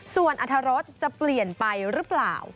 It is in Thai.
ส่วนอรรถรสจะเปลี่ยนไปหรือเปล่า